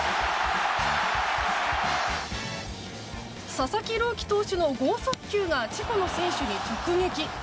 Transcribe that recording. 佐々木朗希投手の豪速球がチェコの選手に直撃。